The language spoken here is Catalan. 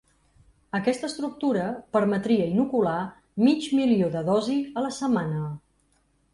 Aquesta estructura permetria inocular mig milió de dosi a la setmana.